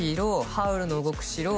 「ハウルの動く城」